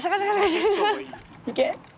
いけ！